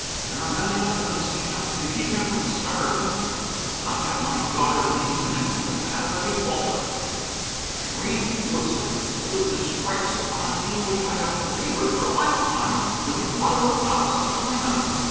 There are men enough in this camp to keep him from starving. I will not have my daughter's name connected with that of a defaulter. Irene, you have set the seal of disgrace upon a name which I have labored for a lifetime to make one of the proudest in the land.